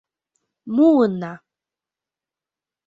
— Муына.